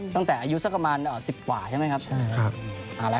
ตั้งแต่อายุสักประมาณ๑๐กว่าใช่ไหมครับ